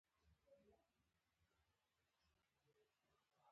دا حماسه نن هم په پښتو ادب کې ځانګړی ځای لري